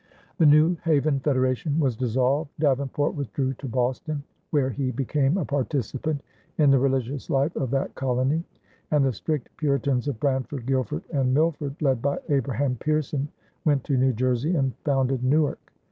The New Haven federation was dissolved; Davenport withdrew to Boston, where he became a participant in the religious life of that colony; and the strict Puritans of Branford, Guilford, and Milford, led by Abraham Pierson, went to New Jersey and founded Newark.